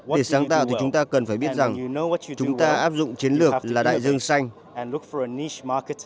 để sáng tạo thì chúng ta cần phải biết rằng chúng ta áp dụng chiến lược là đại dương xanh